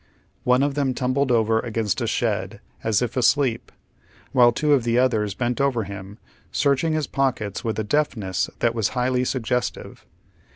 One of them tumbled over against a shed, as if asleep, while two of the others bent over him, searching his pockets with a deftness that was highly su^estive.